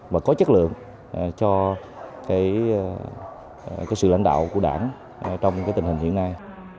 và có chất lượng cho cái sự lãnh đạo của đảng trong tình hình hiện nay